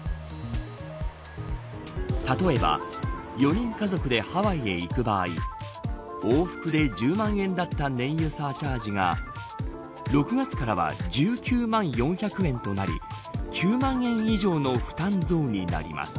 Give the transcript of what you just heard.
例えば、４人家族でハワイへ行く場合往復で１０万円だった燃油サーチャージが６月からは１９万４００円となり９万円以上の負担増になります。